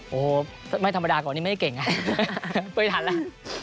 โอ้โหไม่ธรรมดาก่อนนี้ไม่ได้เก่งไงไม่ทันแล้ว